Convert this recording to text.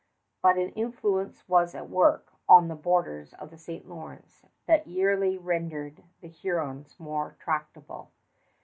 But an influence was at work on the borders of the St. Lawrence that yearly rendered the Hurons more tractable.